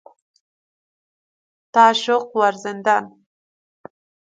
تعشق ورزندن